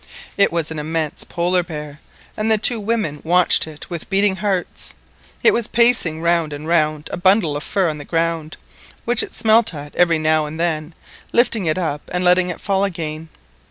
It was an immense Polar bear, and the two women watched it with beating hearts. It was pacing round and round a bundle of fur on the ground, which it smelt at every now and then, lifting it up and letting it fall again.